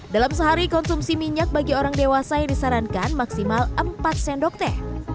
dalam sehari konsumsi minyak bagi orang dewasa yang disarankan maksimal empat sendok teh